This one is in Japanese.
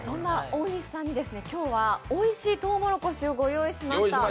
大西さんに今日はおいしいとうもろこしをご用意しました。